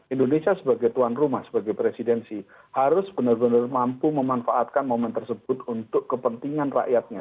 indonesia sebagai tuan rumah sebagai presidensi harus benar benar mampu memanfaatkan momen tersebut untuk kepentingan rakyatnya